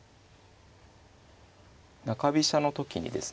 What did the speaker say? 中飛車の時にですね